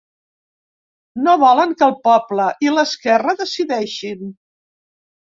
No volen que el poble i l’esquerra decideixin.